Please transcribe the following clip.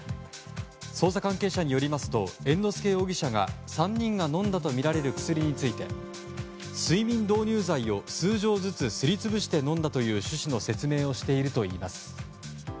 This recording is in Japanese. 捜査関係者によりますと猿之助容疑者が３人が飲んだとみられる薬について睡眠導入剤を数錠ずつすり潰して飲んだという趣旨の説明をしているといいます。